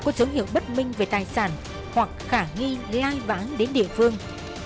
có dấu hiệu bất minh về tài sản hoặc khả nghi gây ai vãng đến địa phương